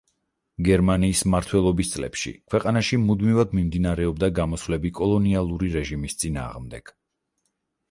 გერმანიის მმართველობის წლებში ქვეყანაში მუდმივად მიმდინარეობდა გამოსვლები კოლონიალური რეჟიმის წინააღმდეგ.